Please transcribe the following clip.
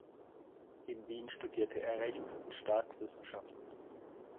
In Wien studierte er Rechts- und Staatswissenschaften.